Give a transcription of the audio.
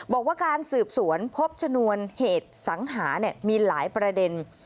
บอกว่าการสืบสวนพบชนวนเหตุสังหามีหลายประเด็น